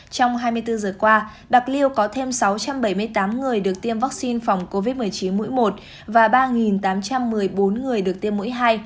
trong hai mươi bốn giờ qua bạc liêu có thêm sáu trăm bảy mươi tám người được tiêm vaccine phòng covid một mươi chín mũi một và ba tám trăm một mươi bốn người được tiêm mũi hai